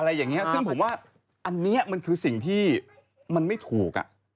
อะไรอย่างนี้ซึ่งผมว่าอันนี้มันคือสิ่งที่มันไม่ถูก